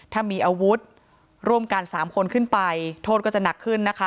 ถ้ามีอาวุธร่วมกัน๓คนขึ้นไปโทษก็จะหนักขึ้นนะคะ